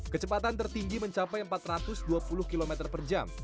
kecepatan tertinggi mencapai empat ratus dua puluh km per jam